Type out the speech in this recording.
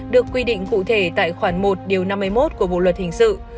được quy định cụ thể tại khoản một điều năm mươi một của bộ luật hình sự